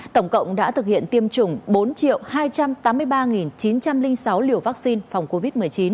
tổng cộng đã thực hiện tiêm chủng bốn hai trăm tám mươi ba chín trăm linh sáu liều vaccine phòng covid một mươi chín